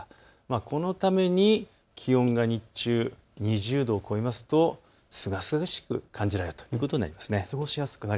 このために気温が日中、２０度を超えますと、すがすがしく感じられるということになります。